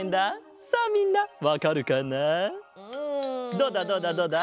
どうだどうだどうだ？